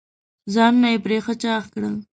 ځانونه یې پرې ښه چاغ کړل.